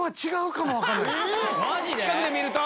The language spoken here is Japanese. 近くで見ると。